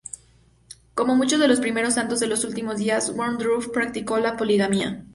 Como muchos de los primeros Santos de los Últimos Días, Woodruff practicó la poligamia.